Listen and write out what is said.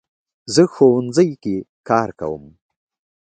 زه ښوونځي کې کار کوم